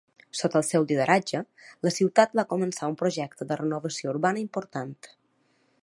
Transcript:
Sota el seu lideratge, la ciutat va començar un projecte de renovació urbana important.